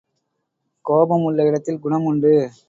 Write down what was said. கோபம் உள்ள இடத்தில் குணம் உண்டு.